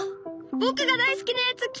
僕が大好きなやつ来た！